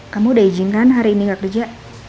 kamu udah izinkan hari ini gak kerja